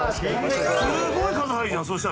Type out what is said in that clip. すごい数入るじゃんそうしたら。